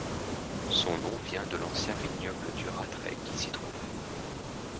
Son nom vient de l'ancien vignoble du Ratrait qui s'y trouvait.